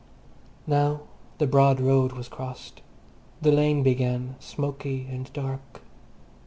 Now the broad road was crossed. The lane began, smoky and dark.